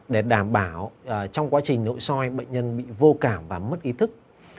để đảm bảo trong quá trình nội soi bệnh nhân bị vô cảm và mất ý thức